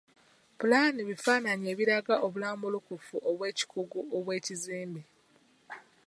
Pulaani bifaananyi ebiraga obulambulukufu obw'ekikugu obw'ekizimbe.